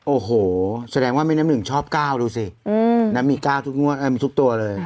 โอ้โหแสดงว่าแม่น้ำหนึ่งชอบ๙ดูสิมี๙ทุกงวดมีทุกตัวเลย